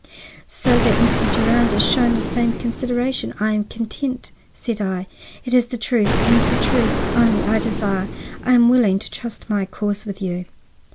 "So that Mr. Durand is shown the same consideration, I am content," said I. "It is the truth and the truth only I desire. I am willing to trust my cause with you."